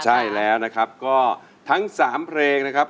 ใช่แล้วนะครับก็ทั้ง๓เพลงนะครับ